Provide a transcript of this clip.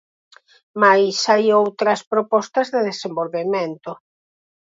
Mais hai outras propostas de desenvolvemento.